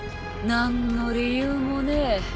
何の理由もねえ